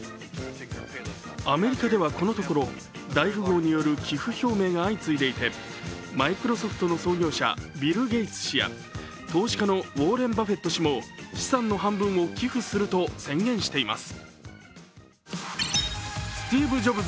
アメリカではこのところ大富豪による寄付表明が相次いでいてマイクロソフトの創業者ビル・ゲイツ氏や投資家のウォーレン・バフェット氏も資産の半分を寄付すると宣言しています。